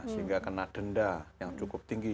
sehingga kena denda yang cukup tinggi